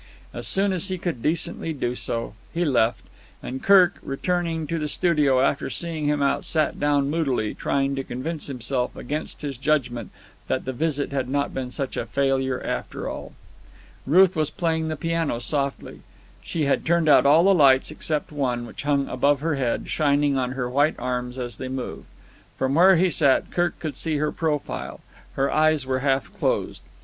As soon as he could decently do so, he left, and Kirk, returning to the studio after seeing him out, sat down moodily, trying to convince himself against his judgment that the visit had not been such a failure after all. Ruth was playing the piano softly. She had turned out all the lights except one, which hung above her head, shining on her white arms as they moved. From where he sat Kirk could see her profile. Her eyes were half closed.